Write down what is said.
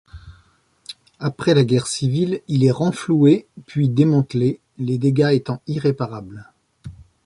Après la guerre civile, il est renfloué, puis démantelé, les dégâts étant irréparables.